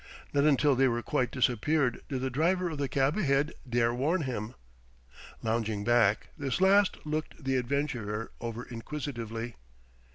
Not until they were quite disappeared did the driver of the cab ahead dare warn him. Lounging back, this last looked the adventurer over inquisitively.